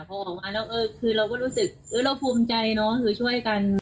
พอออกมาแล้วคือเราก็รู้สึกเราภูมิใจเนอะคือช่วยกัน